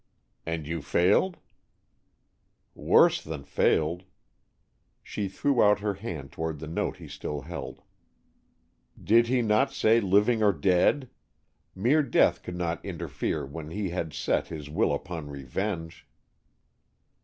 "And you failed?" "Worse than failed." She threw out her hand toward the note he still held. "Did he not say, living or dead? Mere death could not interfere when he had set his will upon revenge."